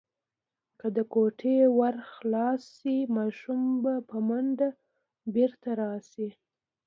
که د کوټې ور خلاص شي، ماشوم به په منډه بیرته راشي.